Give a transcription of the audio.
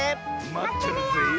まってるよ！